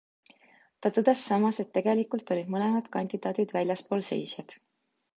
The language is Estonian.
Ta tõdes samas, et tegelikult olid mõlemad kandidaadid väljaspoolseisjad.